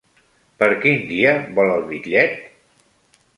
Per quin dia vol el bitllet?